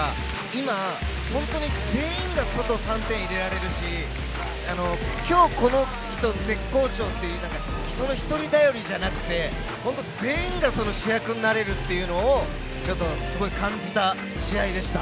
今、本当に全員が外、３点入れられるし、きょうこの人、絶好調という、その１人頼りじゃなくて、全員が主役になれるというのをすごい感じた試合でした。